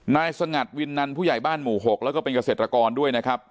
สงัดวินนันผู้ใหญ่บ้านหมู่๖แล้วก็เป็นเกษตรกรด้วยนะครับ